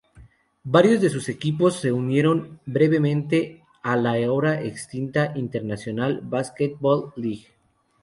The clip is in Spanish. Varios de sus equipos se unieron brevemente a la ahora extinta International Basketball League.